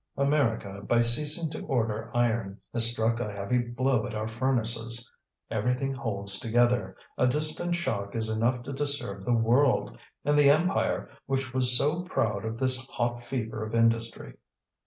"America, by ceasing to order iron, has struck a heavy blow at our furnaces. Everything holds together; a distant shock is enough to disturb the world. And the empire, which was so proud of this hot fever of industry!"